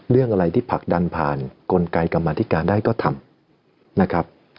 เรื่องอะไรที่ผลักดันผ่านกลไกกรรมธิการได้ก็ทำนะครับ